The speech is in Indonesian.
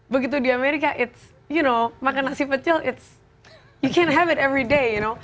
begitu di amerika makan nasi pecel you can have it everyday